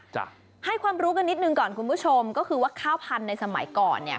ให้ความรู้กันนิดหนึ่งก่อนคุณผู้ชมก็คือว่าข้าวพันธุ์ในสมัยก่อนเนี่ย